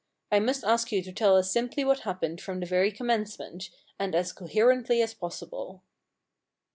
I must ask you to tell us simply what happened from the very commencement, and as coherently as possible.'